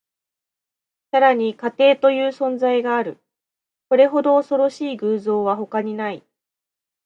さらに、家庭という存在がある。これほど恐ろしい偶像は他にない。